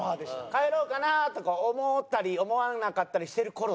帰ろうかなとか思ったり思わなかったりしてる頃です。